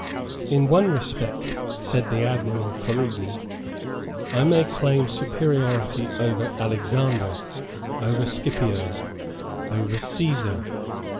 "In one respect," said the Admiral Coligni, "I may claim superiority over Alexander, over Scipio, over Caesar.